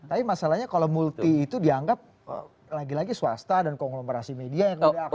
tapi masalahnya kalau multi itu dianggap lagi lagi swasta dan konglomerasi media yang tidak akan